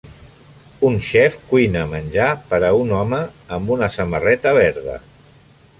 Un xef cuina menjar per a un home amb una samarreta verda